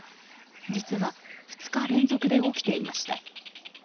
実は、２日連続で起きていました。